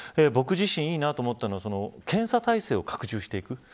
僕自身がいいと思ったのは検査体制を拡充していく。